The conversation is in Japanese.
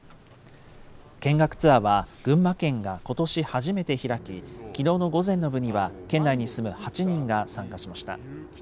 見学ツアーは、群馬県がことし初めて開き、きのうの午前の部には、県内に住む８人が参加しました。